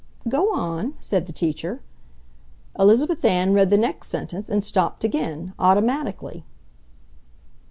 "Go on," said the teacher. Elizabeth Ann read the next sentence and stopped again, automatically.